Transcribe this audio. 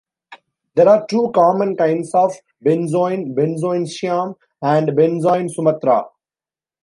There are two common kinds of benzoin, benzoin Siam and benzoin Sumatra.